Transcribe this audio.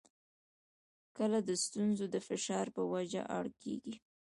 کله د ستونزو د فشار په وجه اړ کېږي.